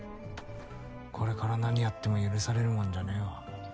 これから何やっても許されるもんじゃねぇわ。